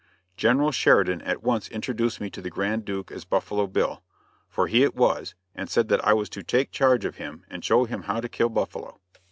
General Sheridan at once introduced me to the Grand Duke as Buffalo Bill, for he it was, and said that I was to take charge of him and show him how to kill buffalo.